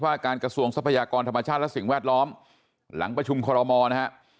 การกระทรวงทรัพยากรธรรมชาติและสิ่งแวดล้อมหลังประชุมคอรมอลนะฮะ